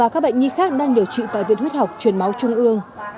các bệnh nhân đang đều trị tài viện huyết học chuyển máu trung ương